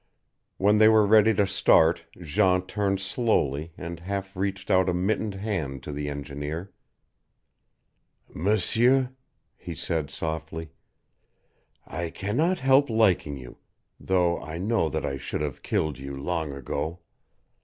When they were ready to start Jean turned slowly and half reached out a mittened hand to the engineer. "M'seur," he said softly, "I can not help liking you, though I know that I should have killed you long ago.